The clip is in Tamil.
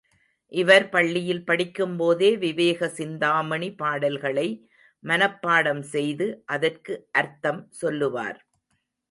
இவர் பள்ளியில் படிக்கும்போதே விவேக சிந்தாமணி பாடல்களை மனப்பாடம் செய்து, அதற்கு அர்த்தம் சொல்லுவார்.